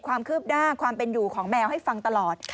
ความคืบหน้าความเป็นอยู่ของแมวให้ฟังตลอด